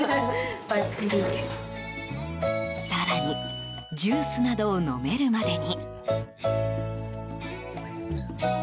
更に、ジュースなどを飲めるまでに。